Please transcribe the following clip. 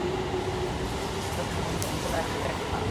এটা তার অন্যতম সেরা একটা লেখা।